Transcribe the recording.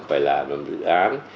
phải làm dự án